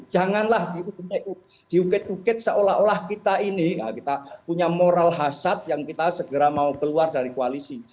janganlah diungkit ukit seolah olah kita ini kita punya moral hasad yang kita segera mau keluar dari koalisi